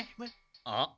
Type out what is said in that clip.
あっ。